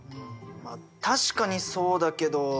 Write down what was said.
まあ確かにそうだけど。